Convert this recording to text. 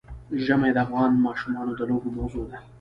ژمی د افغان ماشومانو د لوبو موضوع ده.